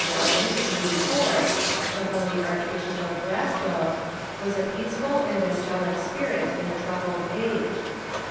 Kobert Leighton (1611 84), the holy Archbishop of Glasgow, was a peaceful and angelic spirit in a troubled age.